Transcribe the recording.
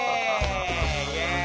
イエイ！